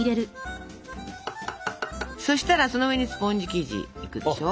そしたらその上にスポンジ生地敷くでしょ。